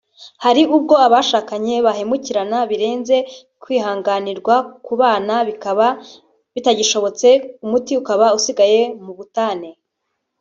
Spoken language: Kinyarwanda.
Hari ubwo abashakanye bahemukirana birenze kwihanganirwa kubana bikaba bitagishobotse umuti ukaba usigaye mu butane